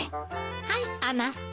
はいあなた。